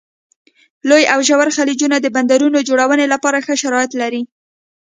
لوی او ژور خلیجونه د بندرونو جوړونې لپاره ښه شرایط لري.